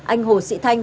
anh hồ sĩ thanh